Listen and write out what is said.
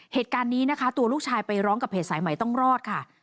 เหตุการณ์นี้นะคะตัวลูกชายไปร้องกับเพจสายใหม่ต้องรอดค่ะ